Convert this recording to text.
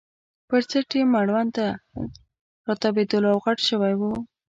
پر څټ یې مړوند نه راتاوېدلو او غټ شوی وو.